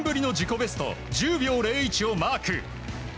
ベスト１０秒０１をマーク。